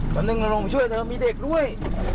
แป๊บนึงลงมาช่วยเธอมีเด็กด้วย